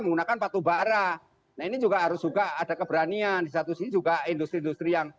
menggunakan patuh bara ini juga harus juga ada keberanian satu juga industri industri yang